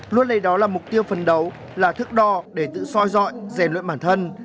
luôn lấy đó là mục tiêu phần đấu là thức đo để tự soi dọi rèn luyện bản thân